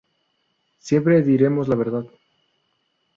Siempre diremos la verdad".